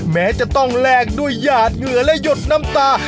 แม้จะต้องแลกด้วยหยาดเหงื่อและหยดน้ำตา